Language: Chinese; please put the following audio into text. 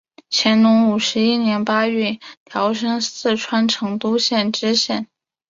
乾隆五十一年八月调升四川成都县知县。